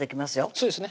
そうですね